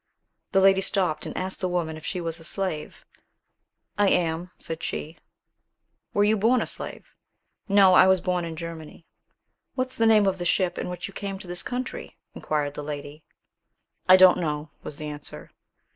The lady stopped and asked the woman if she was a slave. "I am," said she. "Were you born a slave?" "No, I was born in Germany." "What's the name of the ship in which you came to this country?" inquired the lady. "I don't know," was the answer.